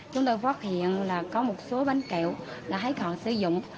chúng tôi phát hiện là có một số bánh kẹo đã hết hạn sử dụng